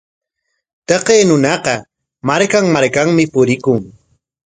Taqay runaqa markan markanmi purikun.